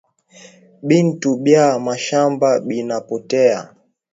Bintu bya mashamba bina poteya